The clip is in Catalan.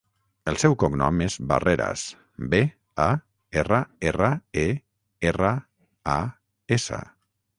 El seu cognom és Barreras: be, a, erra, erra, e, erra, a, essa.